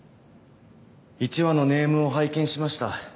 １話のネームを拝見しました